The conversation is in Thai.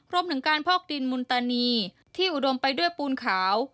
รวมถึงการพอกดินมุนตานีที่อุดมไปด้วยปูนขาว